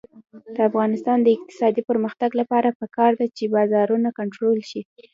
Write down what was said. د افغانستان د اقتصادي پرمختګ لپاره پکار ده چې بازارونه کنټرول شي.